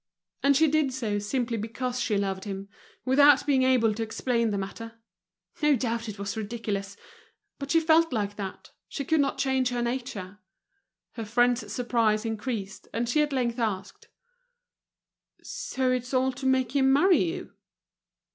And she did so, simply because she loved him, without being able to explain the matter. No doubt it was ridiculous; but she felt like that, she could not change her nature. Her friend's surprise increased, and she at length asked: "So it's all to make him marry you?"